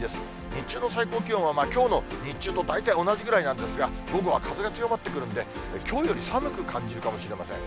日中の最高気温は、きょうの日中と大体同じぐらいなんですが、午後は風が強まってくるので、きょうより寒く感じるかもしれません。